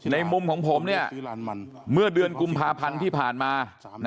ในมุมของผมเนี่ยเมื่อเดือนกุมภาพันธ์ที่ผ่านมา